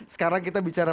sekarang kita bicara